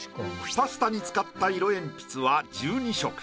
パスタに使った色鉛筆は１２色。